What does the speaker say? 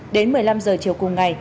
đến một mươi năm giờ chiều cùng ngày